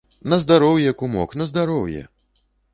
На здароўе, кумок, на здароўе!